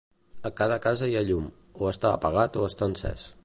A cada casa hi ha llum: o està apagat o està encès.